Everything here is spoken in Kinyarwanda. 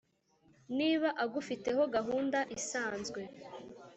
niba agufiteho gahunda isanzwe